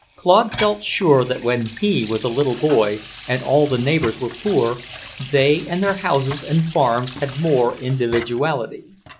Claude felt sure that when he was a little boy and all the neighbours were poor, they and their houses and farms had more individuality.